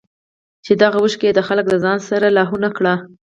چې دغه اوښکې ئې دا خلک د ځان سره لاهو نۀ کړي